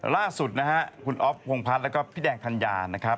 ล่าสุดครูนอธโภงพัทต์และพี่แดงธัญญา